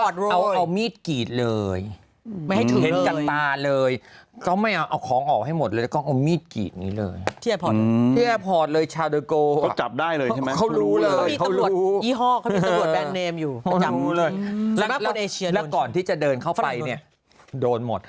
โดนหมดแต่ว่าฝรั่งไม่ค่อยถือของปลอม